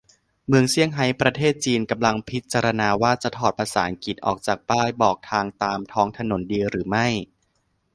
เมืองเซี่ยงไฮ้ ประเทศจีน กำลังพิจารณาว่า จะถอดภาษาอังกฤษออกจากป้ายบอกทางตามท้องถนนดีหรือไม่